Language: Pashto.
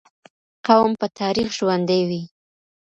قوم په تاريخ ژوندي وي.